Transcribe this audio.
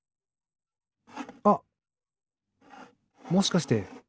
あっもしかして。